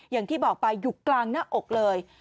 อย่างที่บอกไปอยู่กลางหน้าอกเลย